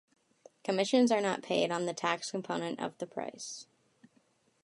Commissions are not paid on the tax component of the price.